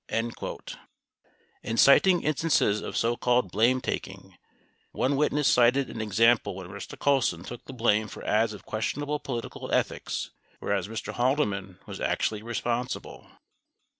18 In citing instances of so called blame taking, one witness cited an example where Mr. Colson took the blame for ads of questionable political ethics, whereas Mr. Haldeman was actually responsible.